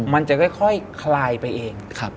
มันจะค่อยคลายไปเอง